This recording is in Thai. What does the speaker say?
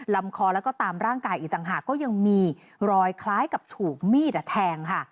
ลำคอแล้วก็ตามร่างกายอีกต่างหากก็ยังมีรอยคล้ายกับถูกมีดแทงค่ะ